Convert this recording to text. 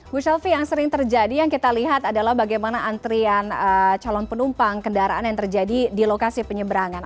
bu shelfie yang sering terjadi yang kita lihat adalah bagaimana antrian calon penumpang kendaraan yang terjadi di lokasi penyeberangan